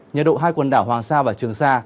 nhiệt độ hai quần đảo hoàng sa và trường sa